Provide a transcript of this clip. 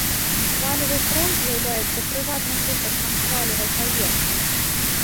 Хвалевы фронт з'яўляецца прыватным выпадкам хвалевай паверхні.